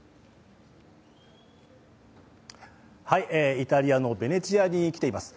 イタリアのベネチアに来ています。